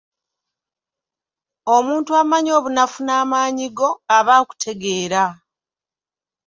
Omuntu amanyi obunafu n’amaanyi go aba akutegeera.